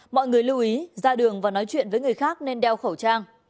mọi người lưu ý ra đường và nói chuyện với người khác nên đeo khẩu trang